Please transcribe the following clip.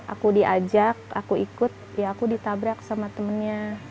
aku diajak aku ikut ya aku ditabrak sama temennya